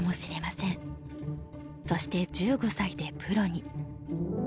そして１５歳でプロに。